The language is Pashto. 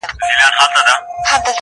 يار ليدلي بيګا خوب کي پيمانې دي,